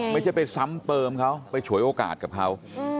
ไม่ใช่ไปซ้ำเติมเขาไปฉวยโอกาสกับเขา